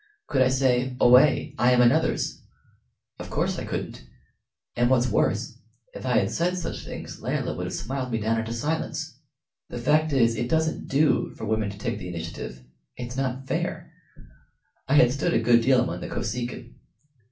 Could I say "Away! I am another's"? Of course I couldn't; and what's worse, if I had said such things Layelah would have smiled me down into silence. The fact is, it doesn't do for women to take the initiative it's not fair. I had stood a good deal among the Kosekin.